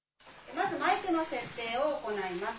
まずマイクの設定を行います。